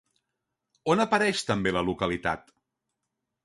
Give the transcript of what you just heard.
On apareix també la localitat?